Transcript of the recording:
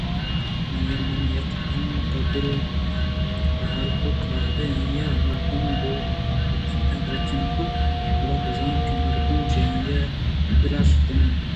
آئی من ءَ یک دم بے حال کُت وہدے آئی ءَ مردماں گوں کاگد کراچ بند کُت گڑا بزاں کہ آمردم چہ آئی ءِ دل ءَ شتگ